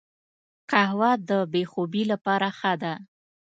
قهوه د بې خوبي لپاره ښه ده